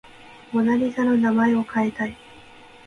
モナ・リザの名前を変えたい